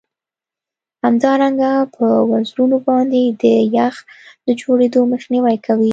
همدارنګه په وزرونو باندې د یخ د جوړیدو مخنیوی کوي